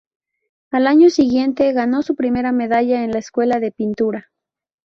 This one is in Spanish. Al año siguiente ganó su primera medalla en la escuela de pintura.